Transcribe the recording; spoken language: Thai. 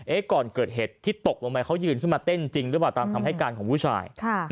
ก่อนเกิดเหตุที่ตกลงไปเขายืนขึ้นมาเต้นจริงหรือเปล่าตามคำให้การของผู้ชาย